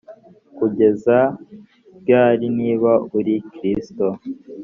kugeza ryari niba uri kristo